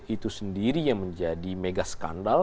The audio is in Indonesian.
itu sendiri yang menjadi mega skandal